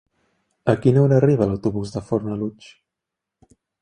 A quina hora arriba l'autobús de Fornalutx?